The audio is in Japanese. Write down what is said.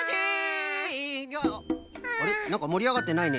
ああっなんかもりあがってないね。